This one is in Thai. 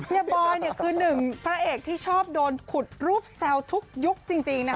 บอยคือหนึ่งพระเอกที่ชอบโดนขุดรูปแซวทุกยุคจริงนะคะ